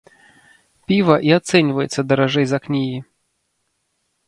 Піва і ацэньваецца даражэй за кнігі.